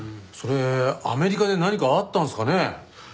それアメリカで何かあったんすかね？